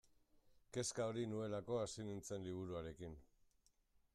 Kezka hori nuelako hasi nintzen liburuarekin.